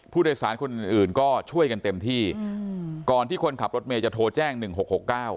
ผู้โดยสารคนอื่นอื่นก็ช่วยกันเต็มที่อืมก่อนที่คนขับรถเมย์จะโทรแจ้งหนึ่งหกหกเก้า